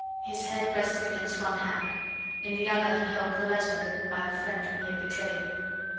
His head rested against one hand; in the other he held the letter written by the friend whom he had betrayed.